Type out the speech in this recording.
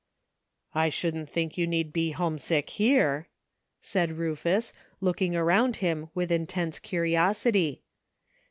"I shouldn't think you need be homesick here," said Rufus, looking around him with intense curiosity.